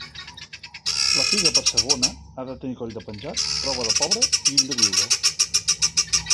La figa, per ser bona, ha de tenir coll de penjat, roba de pobre i ull de viuda.